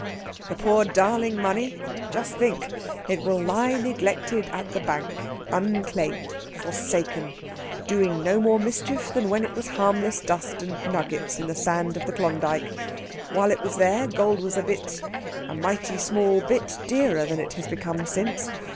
"The poor darling money? Just think! It will lie neglected at the bank, unclaimed, forsaken, doing no more mischief than when it was harmless dust and nuggets in the sand of the Klondyke. While it was there, gold was a bit a mighty small bit dearer than it has become since.